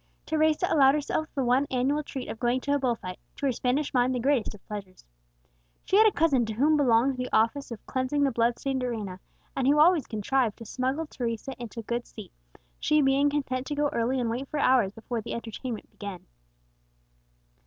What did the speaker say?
Teresa allowed herself the one annual treat of going to a bull fight, to her Spanish mind the greatest of pleasures. She had a cousin to whom belonged the office of cleansing the blood stained arena, and who always contrived to smuggle Teresa into a good seat, she being content to go early and wait for hours before the entertainment began.